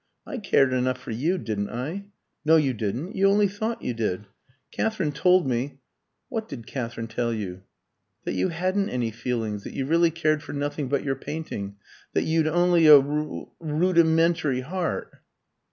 "I cared enough for you, didn't I?" "No, you didn't. You only thought you did. Katherine told me " "What did Katherine tell you?" "That you hadn't any feelings, that you really cared for nothing but your painting, that you'd only a ru rudimentary heart."